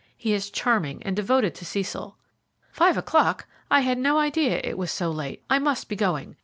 He is charming, and devoted to Cecil. Five o'clock! I had no idea it was so late. I must be going.